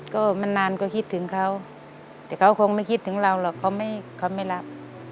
ก็มันนานก็คิดถึงเขาแต่เขาคงไม่คิดถึงเราหรอกเขาไม่รับ